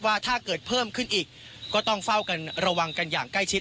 ถ้าเกิดเพิ่มขึ้นอีกก็ต้องเฝ้ากันระวังกันอย่างใกล้ชิด